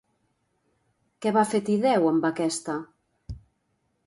Què va fer Tideu amb aquesta?